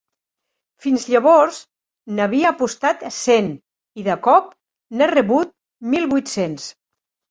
Fins llavors n'havia apostat cent i de cop n'he rebut mil vuit-cents.